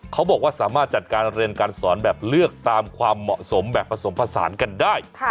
เขาบอกว่าสามารถจัดการเรียนการสอนแบบเลือกตามความเหมาะสมแบบผสมผสานกันได้